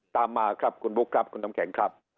ตามมาครับคุณบุ๊คครับคุณน้ำแข็งครับ